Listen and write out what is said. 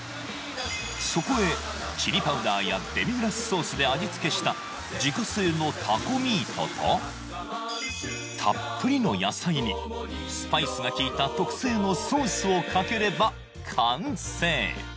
そこへチリパウダーやデミグラスソースで味付けしたたっぷりの野菜にスパイスがきいた特製のソースをかければ完成！